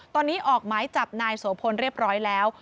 ตอนนี้ออกหมายจับนายโสพลเรียบร้อยแล้ว